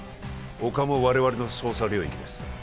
陸も我々の捜査領域です